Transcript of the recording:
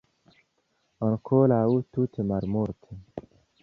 Ankoraŭ tute malmulte.